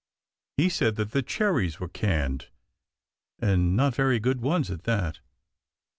He said that the cherries were canned, and not very good ones at that.